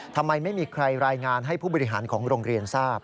ทำไมไม่มีใครรายงานให้ผู้บริหารของโรงเรียนทราบ